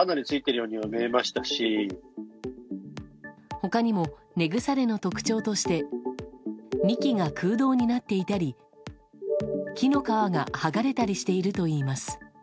他にも根腐れの特徴として幹が空洞になっていたり木の皮が剥がれたりしているといいます。